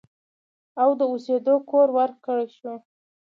او د اوسېدو کور ورکړی شو